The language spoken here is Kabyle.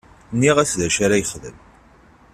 Nniɣ-as d acu ara yexdem.